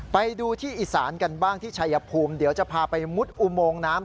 ไปดูที่อีสานกันบ้างที่ชัยภูมิเดี๋ยวจะพาไปมุดอุโมงน้ำ